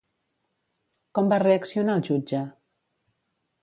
Com va reaccionar el jutge?